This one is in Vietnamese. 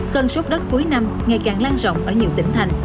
cơn sốt đất cuối năm ngày càng lan rộng ở nhiều tỉnh thành